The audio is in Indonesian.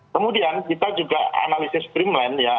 kemudian kita juga analisis primeland ya